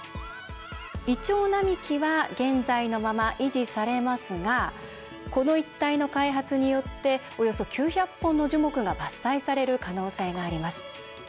イチョウ並木は現在のまま維持されますがこの一帯の開発によっておよそ９００本の樹木が伐採される可能性があります。